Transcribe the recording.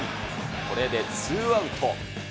これでツーアウト。